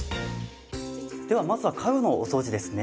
ではまずは家具のお掃除ですね。